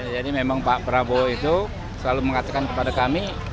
jadi memang pak prabowo itu selalu mengatakan kepada kami